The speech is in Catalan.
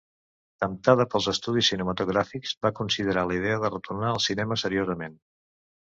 Temptada pels estudis cinematogràfics, va considerar la idea de retornar al cinema seriosament.